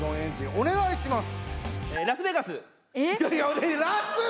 おねがいします！